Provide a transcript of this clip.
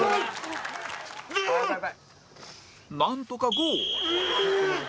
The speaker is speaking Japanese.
なんとかゴール